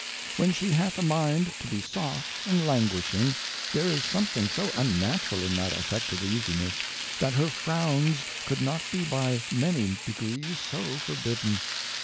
When she hath a mind to be soft and languishing, there is somthing so unnatural in that affected Easiness^ that her Frowns could not be by many degrees so forbidden.